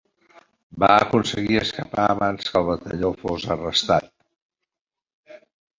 Va aconseguir escapar abans que el batalló fos arrestat.